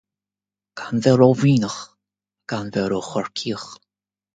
Gan bheith ró-Mhuimhneach, gan bheith ró-Chorcaíoch.